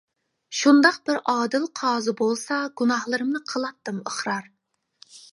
شۇنداق بىر ئادىل قازى بولسا گۇناھلىرىمنى قىلاتتىم ئىقرار!